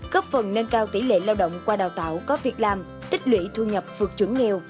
cấp phần nâng cao tỷ lệ lao động qua đào tạo có việc làm tích lũy thu nhập vượt trưởng nghèo